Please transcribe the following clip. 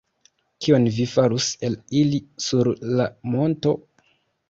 Kion vi farus el ili sur la monto?